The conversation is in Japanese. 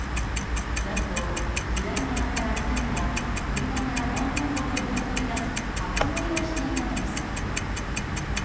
なんと左側から２人が、車から半分ほど身を乗り出す、箱乗りをしていたのです。